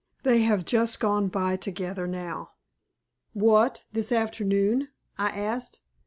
They have just gone by together now." "What! this afternoon?" I asked.